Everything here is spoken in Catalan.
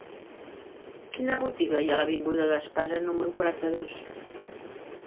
Quina botiga hi ha a l'avinguda d'Espasa número quaranta-dos?